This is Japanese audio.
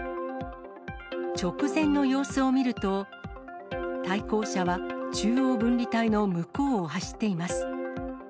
直前の様子を見ると、対向車は中央分離帯の向こうを走っています。